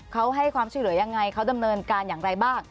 เขาให้ความช่วยเหลือยังไงเขาดำเนินการอย่างไรบ้าง